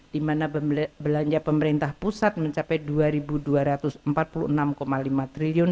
di mana belanja pemerintah pusat mencapai rp dua dua ratus empat puluh enam lima triliun